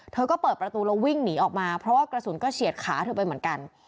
เธอก็เปิดประตูแล้ววิ่งหนีออกมาเพราะว่ากระสุนก็เฉียดขาเธอไปเหมือนกัน